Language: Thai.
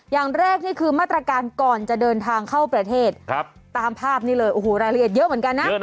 อย่างแรกนี่คือมาตรการก่อนจะเดินทางเข้าประเทศตามภาพนี้เลยโอ้โหรายละเอียดเยอะเหมือนกันนะ